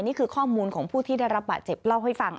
นี่คือข้อมูลของผู้ที่ได้รับบาดเจ็บเล่าให้ฟัง